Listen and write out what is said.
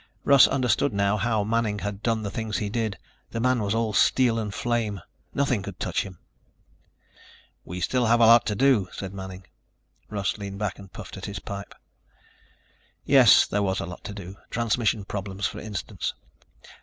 Russ understood now how Manning had done the things he did. The man was all steel and flame. Nothing could touch him. "We still have a lot to do," said Manning. Russ leaned back and puffed at his pipe. Yes, there was a lot to do. Transmission problems, for instance.